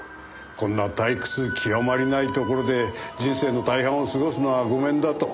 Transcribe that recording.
「こんな退屈きわまりないところで人生の大半を過ごすのはごめんだ」と。